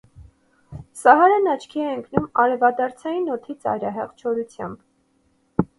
Սահարան աչքի է ընկնում արևադարձային օդի ծայրահեղ չորությամբ։